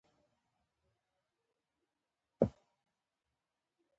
د وریښمو چینجی څنګه وساتم؟